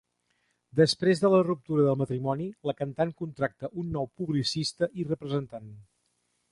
Després de la ruptura del matrimoni, la cantant contracta un nou publicista i representant.